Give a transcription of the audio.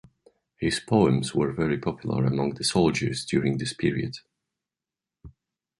His poems were very popular among the soldiers during this period.